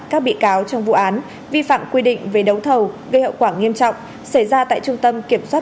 các bị cáo trong vụ án vi phạm quy định về đấu thầu gây hậu quả nghiêm trọng xảy ra tại trung tâm kiểm soát